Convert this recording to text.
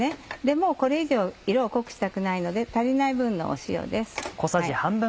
もうこれ以上色を濃くしたくないので足りない分の塩です。